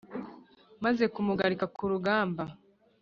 Maze kumugarika ku rugamba